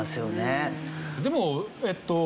でもえっと